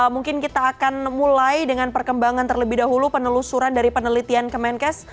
mungkin kita akan mulai dengan perkembangan terlebih dahulu penelusuran dari penelitian kemenkes